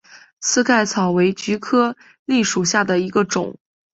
刺盖草为菊科蓟属下的一个种。